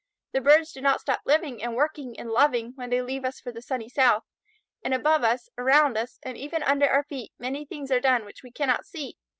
The birds do not stop living and working and loving when they leave us for the sunny south, and above us, around us, and even under our feet many things are done which we cannot see.